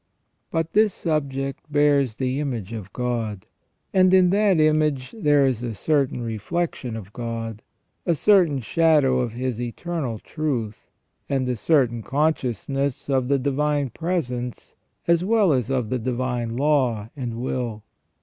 But this subject bears the image of God, and in that image there is a certain reflection of God, a certain shadow of His eternal truth, and a certain consciousness of the divine presence as well as of the divine law and will.